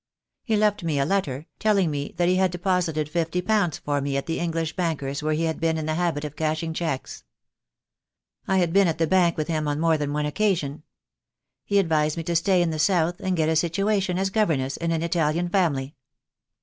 He left me a letter, telling me that he had deposited fifty pounds for me at the English bankers where he had been in the habit of cashing cheques. I had been at the bank with him on more than one occasion. He advised me to stay in the South, and get a situation as governess in an Italian family.